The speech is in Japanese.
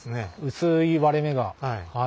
薄い割れ目が。